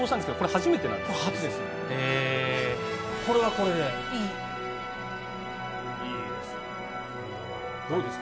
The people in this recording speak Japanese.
これはこれでいいですね。